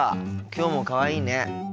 きょうもかわいいね。